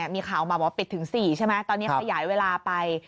มีข่าวออกมาว่าปิดถึง๔ใช่ไหมตอนนี้ขยายเวลาไป